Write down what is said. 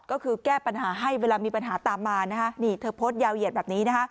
ก็คือแก้ปัญหาให้เวลามีปัญหาตามมานะคะนี่เธอโพสต์ยาวเหยียดแบบนี้นะคะ